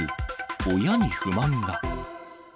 親に不満が。